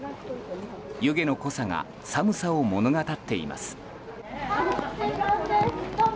湯気の濃さが寒さを物語っています。